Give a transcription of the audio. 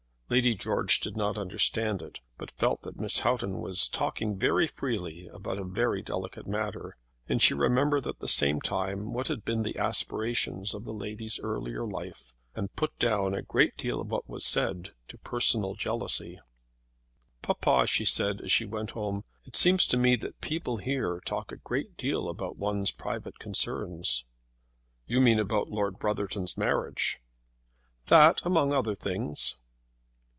Lady George did not understand it, but felt that Miss Houghton was talking very freely about a very delicate matter. And she remembered at the same time what had been the aspirations of the lady's earlier life, and put down a good deal of what was said to personal jealousy. "Papa," she said, as she went home, "it seems to me that people here talk a great deal about one's private concerns." "You mean about Lord Brotherton's marriage." "That among other things."